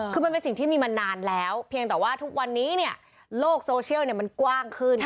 คือมันเป็นสิ่งที่มีมานานแล้วเพียงแต่ว่าทุกวันนี้เนี่ยโลกโซเชียลมันกว้างขึ้น